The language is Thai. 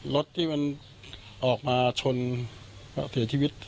รถที่มันออกมาชนเสียชีวิต